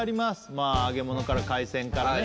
まあ揚げ物から海鮮からね